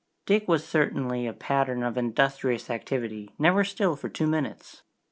Dick was certainly a pattern of industrious activity, never still for two minutes.